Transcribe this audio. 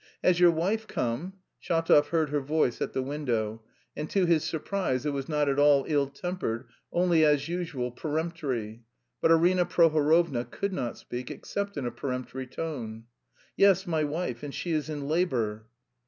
"Has your wife come?" Shatov heard her voice at the window, and to his surprise it was not at all ill tempered, only as usual peremptory, but Arina Prohorovna could not speak except in a peremptory tone. "Yes, my wife, and she is in labour."